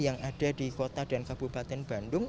yang ada di kota dan kabupaten bandung